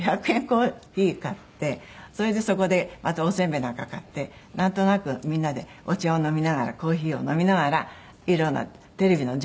コーヒー買ってそれでそこでまたおせんべいなんか買ってなんとなくみんなでお茶を飲みながらコーヒーを飲みながら色んなテレビの情報